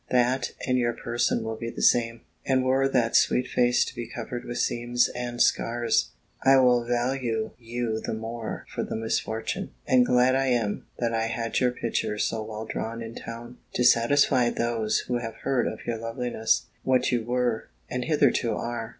That and your person will be the same; and were that sweet face to be covered with seams and scars, I will value you the more for the misfortune: and glad I am, that I had your picture so well drawn in town, to satisfy those who have heard of your loveliness, what you were, and hitherto are.